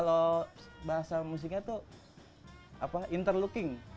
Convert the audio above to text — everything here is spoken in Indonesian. jadi sistem kalau bahasa musiknya itu inter looking